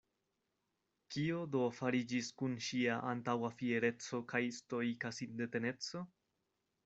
Kio do fariĝis kun ŝia antaŭa fiereco kaj stoika sindeteneco?